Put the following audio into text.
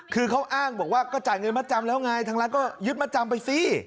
คือเขาอ้างบอกว่าก็จ่ายเงินมาจำแล้วไงทางร้านก็ยึดมัดจำไปสิ